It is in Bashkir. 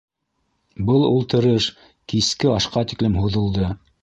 Был ултырыш киске ашҡа тиклем һуҙылды.